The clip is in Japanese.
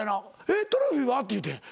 「えっトロフィーは？」って言うてん。